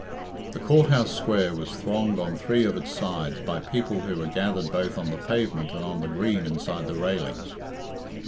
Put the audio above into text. The Court house square was thronged on three of its sides by people who were gathered both on the pavement and on the green inside the railings.